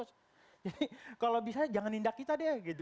jadi kalau bisa jangan indah kita deh